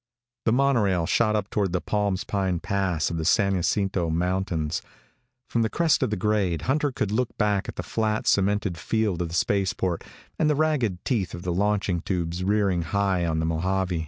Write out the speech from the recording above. The monorail shot up toward the Palms Pine pass of the San Jacinto Mountains. From the crest of the grade Hunter could look back at the flat, cemented field of the spaceport and the ragged teeth of the launching tubes rearing high on the Mojave.